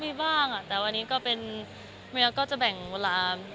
มีบ้างแต่วันนี้ก็เป็นเมียก็จะแบ่งเวลา